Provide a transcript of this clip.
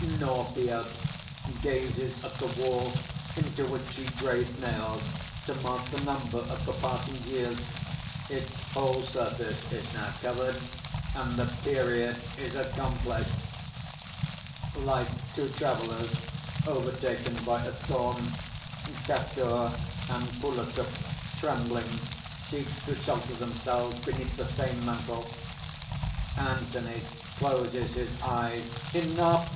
"Nortia gazes at the wall into which she drave nails to mark the number of the passing years. Its whole surface is now covered; and the period is accomplished. "Like two travellers overtaken by a storm, Kastur and Pulutuk, trembling, seek to shelter themselves beneath the same mantle." ANTHONY (closes his eyes): "Enough!